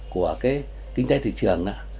của cái kinh doanh thị trường